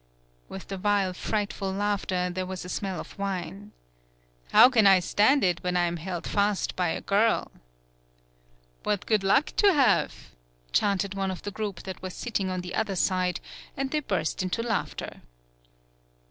With the vile, frightful laughter there was a smell of wine. "How can I stand it when I am held fast by a girl!" 82 THE BILL COLLECTING "What good luck to have!" chanted one of the group that was sitting on the other side, and they burst into laughter.